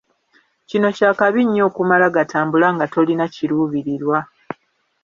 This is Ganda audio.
Kino kya kabi nnyo okumala gatambula nga tolina kiluubirirwa.